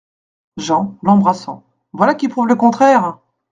Jean, l’embrassant. — Voilà qui prouve le contraire !